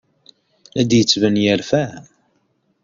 La d-yettban yerfa.